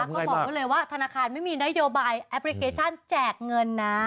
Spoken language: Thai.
เขาบอกไว้เลยว่าธนาคารไม่มีนโยบายแอปพลิเคชันแจกเงินนะ